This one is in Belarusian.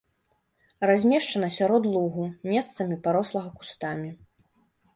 Размешчана сярод лугу, месцамі парослага кустамі.